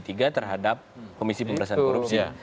terhadap komisi pemeriksaan korupsi